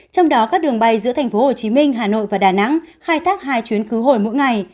trong đó các đường bay giữa tp hcm hà nội và đà nẵng khai thác hai chuyến cứu hồi mỗi ngày